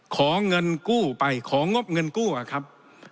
ขอเงินกู้ไปของงบเงินกู้อะครับ